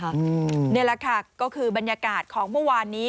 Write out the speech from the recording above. นี่แหละค่ะก็คือบรรยากาศของเมื่อวานนี้